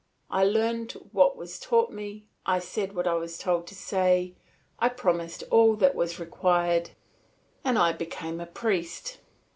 I learned what was taught me, I said what I was told to say, I promised all that was required, and I became a priest.